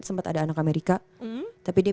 sempat ada anak amerika tapi dia